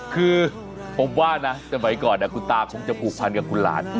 คือผมว่านะสมัยก่อนคุณตาคงจะผูกพันกับคุณหลาน